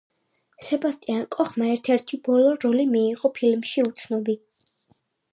სებასტიან კოხმა ერთ-ერთი ბოლო როლი მიიღო ფილმში „უცნობი“.